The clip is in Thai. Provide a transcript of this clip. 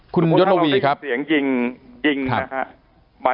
คุณโยฐวีครับ